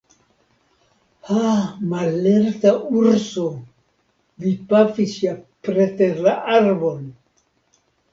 Ha, mallerta urso, vi pafis ja preter la arbon!